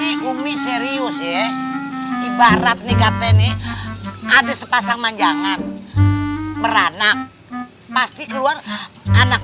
ini ummi serius ya ibarat nih katanya nih ada sepasang manjangan beranak pasti keluar anak